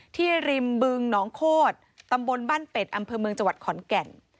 ที่ริมบึงหนองโค๊ดตำบลบั้นเป็ดอเมืองจวัดขอนแก่น